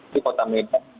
di kota medan